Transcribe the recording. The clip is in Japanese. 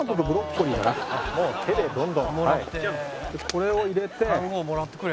これを入れて。